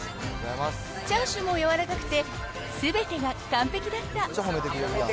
チャーシューも柔らかくて、すべてが完璧だった。